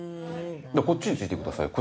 こっちについてくださいよ